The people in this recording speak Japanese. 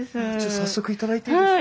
早速頂いていいですか？